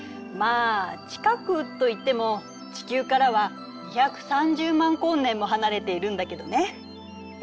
まあ近くと言っても地球からは２３０万光年も離れているんだけどね。